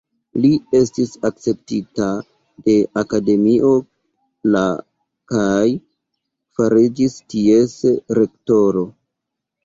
Li estis akceptita de Akademio la kaj fariĝis ties rektoro.